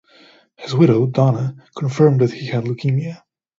His widow, Donna, confirmed that he had leukemia.